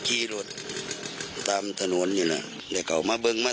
ตำรวจสอบพอร์หนองสองห้องก็เลยบอกว่า